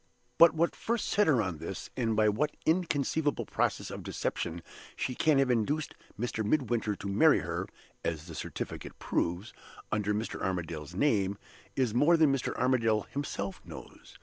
But what first set her on this, and by what inconceivable process of deception she can have induced Mr. Midwinter to marry her (as the certificate proves) under Mr. Armadale's name, is more than Mr. Armadale himself knows.